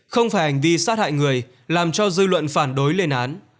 không phải hành vi sát hại người làm cho dư luận phản đối lên án